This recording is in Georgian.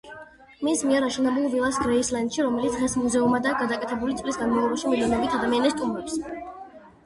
მის მიერ აშენებულ ვილას გრეისლენდში, რომელიც დღეს მუზეუმადაა გადაკეთებული, წლის განმავლობაში მილიონობით ადამიანი სტუმრობს.